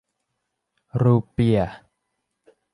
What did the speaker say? รูเปียห์